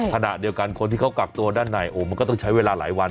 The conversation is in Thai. ขณะเดียวกันคนที่เขากักตัวด้านในโอ้มันก็ต้องใช้เวลาหลายวัน